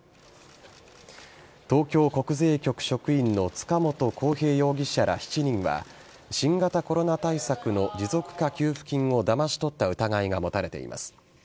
東京国税局職員の塚本晃平容疑者ら７人は新型コロナ対策の持続化給付金をだまし取った疑いが持たれています。